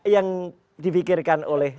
yang dipikirkan oleh